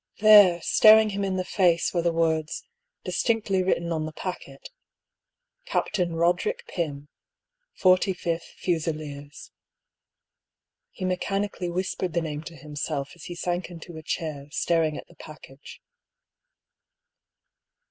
There, staring him in the face, were the words — dis tinctly written on the packet — Captain Eoderick Pym, 45^A Fusiliers, He mechanically whispered the name to himself as he sank into a chair, staring at the package.